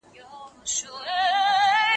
دې چي ول ډوډۍ به پخه سي